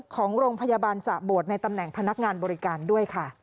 ของโรงพยาบาลสะโบดในตำแหน่งพนักงานบริการด้วยค่ะ